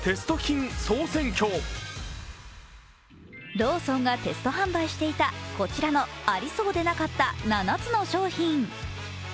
ローソンがテスト販売していたこちらのありそうでなかった７つの商品。